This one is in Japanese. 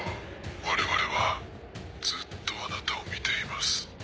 我々はずっとあなたを見ています。